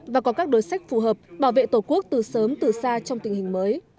và có các đối sách phù hợp bảo vệ tổ quốc từ sớm từ xa trong tình hình mới